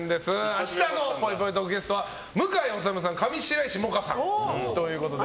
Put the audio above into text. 明日のぽいぽいトーク、ゲストは向井理さん、上白石萌歌さんということで。